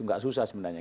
enggak susah sebenarnya